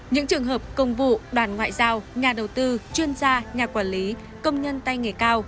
những trường hợp công vụ đoàn ngoại giao nhà đầu tư chuyên gia nhà quản lý công nhân tay nghề cao